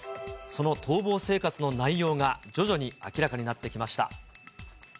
その逃亡生活の内容が徐々に明らかになってきました。